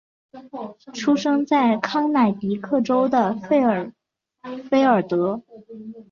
出生在康乃狄克州的费尔菲尔德。